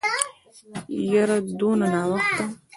يره دونه ناوخته.